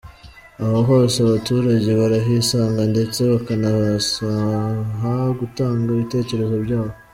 Aho hose abaturange barahisanga ndetse bakanabasaha gutanga ibitekerezo byabo”.